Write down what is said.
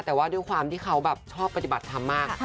แต่ว่าด้วยความที่เขาแบบชอบปฏิบัติธรรมมาก